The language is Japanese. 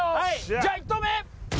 じゃあ一投目！